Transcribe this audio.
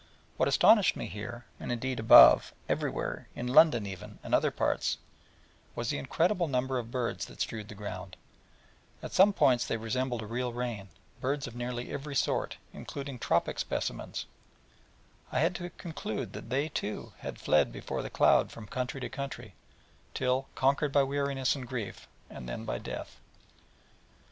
What astonished me here, and, indeed, above, and everywhere, in London even, and other towns, was the incredible number of birds that strewed the ground, at some points resembling a real rain, birds of nearly every sort, including tropic specimens: so that I had to conclude that they, too, had fled before the cloud from country to country, till conquered by weariness and grief, and then by death.